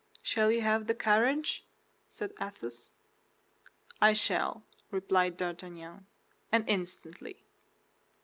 "Shall you have the courage?" said Athos. "I shall," replied D'Artagnan, "and instantly."